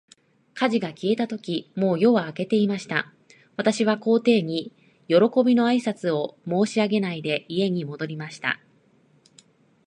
火事が消えたとき、もう夜は明けていました。私は皇帝に、よろこびの挨拶も申し上げないで、家に戻りました。